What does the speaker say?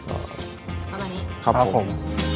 เอามานี่ครับผม